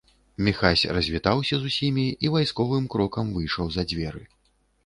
Міхась развітаўся з усімі і вайсковым крокам выйшаў за дзверы.